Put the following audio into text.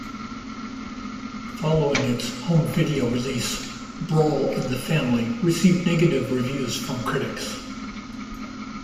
Following its home video release, "Brawl in the Family" received negative reviews from critics.